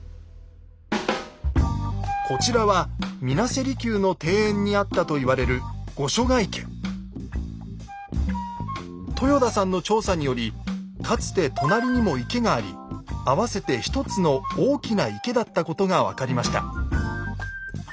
こちらは水無瀬離宮の庭園にあったと言われる豊田さんの調査によりかつて隣にも池があり合わせて１つの大きな池だったことが分かりました。